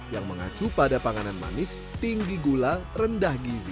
yang mengacu pada panganan manis tinggi gula rendah gizi